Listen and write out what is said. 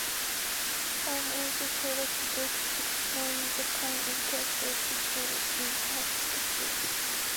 Howe also produced books exploring the kinds of characters she portrayed in her sketches.